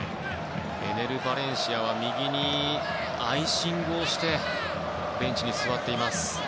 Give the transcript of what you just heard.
エネル・バレンシアは右足にアイシングをしてベンチに座っています。